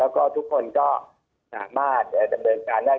แล้วก็ทุกคนก็สามารถดำเนินการได้